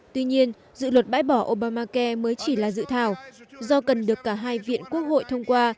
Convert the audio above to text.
tuy nhiên dự luật bãi bỏ obamacai mới chỉ là dự thảo do cần được cả hai viện quốc hội thông qua